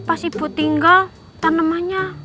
pas ibu tinggal tanamannya